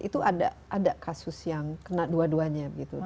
itu ada kasus yang kena dua duanya